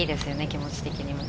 気持ち的にも。